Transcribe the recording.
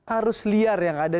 arus liar yang ada